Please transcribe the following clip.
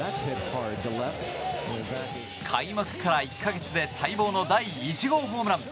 開幕から１か月で待望の第１号ホームラン。